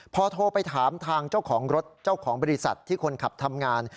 พอโทรไปถามทางเจ้าของรถเจ้าของบริษัทที่คนขับทำงาน